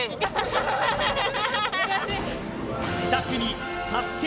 自宅にＳＡＳＵＫＥ